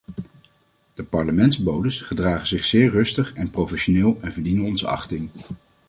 De parlementsbodes gedragen zich zeer rustig en professioneel en verdienen onze achting.